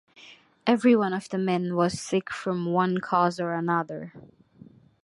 Every one of the men was sick from one cause or another.